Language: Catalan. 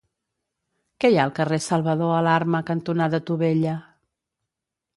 Què hi ha al carrer Salvador Alarma cantonada Tubella?